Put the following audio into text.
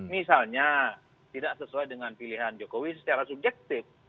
misalnya tidak sesuai dengan pilihan jokowi secara subjektif